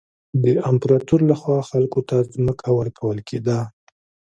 د امپراتور له خوا خلکو ته ځمکه ورکول کېده.